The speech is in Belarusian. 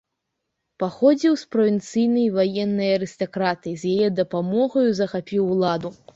Паходзіў з правінцыйнай ваеннай арыстакратыі, з яе дапамогаю захапіў уладу.